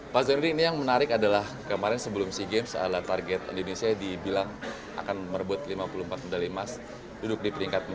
pak zainuddin ini yang menarik adalah kemarin sebelum sea games adalah target indonesia dibilang akan merebut lima puluh empat medali emas duduk di peringkat empat